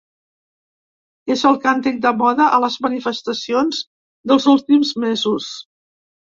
És el càntic de moda a les manifestacions dels últims mesos.